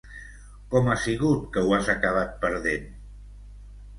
Com ha sigut que ho has acabat perdent?